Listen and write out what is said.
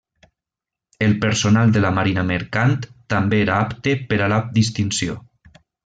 El personal de la Marina Mercant també era apte per a la distinció.